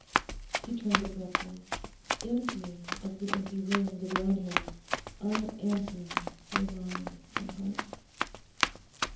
He turned abruptly. Empty as the empty rooms around him, unanswering were mind and heart.